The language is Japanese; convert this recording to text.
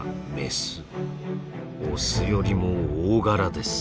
オスよりも大柄です。